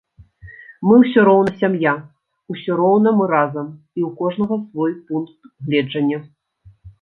Мы ўсё роўна сям'я, усё роўна мы разам, і ў кожнага свой пункт гледжання.